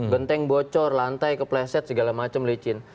genteng bocor lantai kepleset segala macam licin